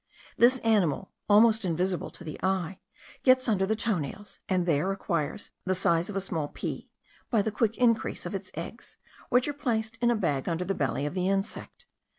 This animal, almost invisible to the eye, gets under the toe nails, and there acquires the size of a small pea, by the quick increase of its eggs, which are placed in a bag under the belly of the insect.